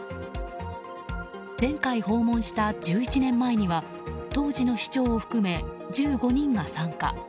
前回訪問した１１年前には当時の市長を含め１５人が参加。